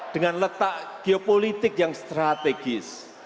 dengan letak geopolitik yang strategis